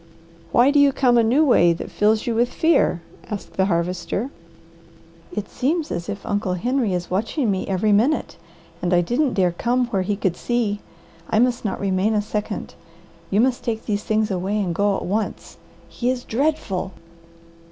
"Why do you come a new way that fills you with fear?" asked the Harvester. "It seems as if Uncle Henry is watching me every minute, and I didn't dare come where he could see. I must not remain a second. You must take these things away and go at once. He is dreadful."